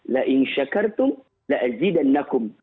la in syakartum la'zidannakum